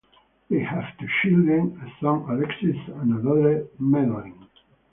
They have two children, a son Alexis and a daughter Madeleine.